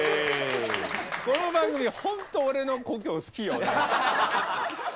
この番組は本当俺の故郷好きよね。